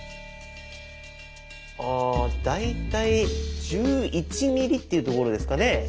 あ大体１１ｍｍっていうところですかね。